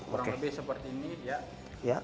kurang lebih seperti ini